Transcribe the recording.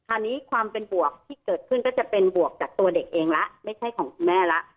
คราวนี้ความเป็นบวกที่เกิดขึ้นก็จะเป็นบวกจากตัวเด็กเองแล้วไม่ใช่ของคุณแม่แล้ว